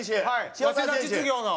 早稲田実業の。